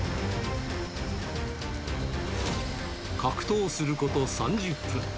格闘すること３０分。